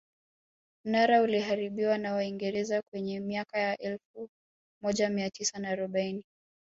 Mnara uliharibiwa na waingereza kwenye miaka ya elfu moja mia tisa na arobaini